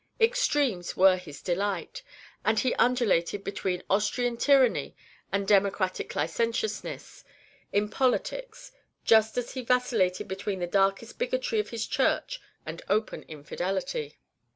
Extremes were his delight, and he undulated between Austrian tyranny and democratic licentiousness in politics, just as he vacillated between the darkest bigotry of his church and open infidelity.